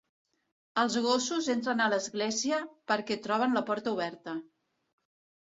Els gossos entren a l'església perquè troben la porta oberta.